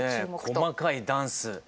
細かいダンス。